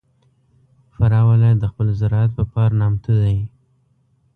فراه ولایت د خپل زراعت په پار نامتو دی.